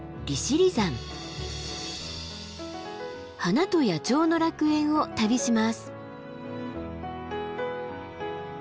花と野鳥の楽園を旅します。